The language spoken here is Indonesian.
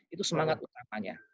itu semangat utamanya